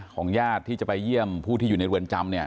ญาติที่จะไปเยี่ยมผู้ที่อยู่ในเรือนจำเนี่ย